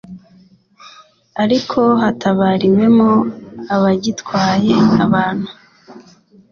ariko hatabariwemo abagitwaye abantu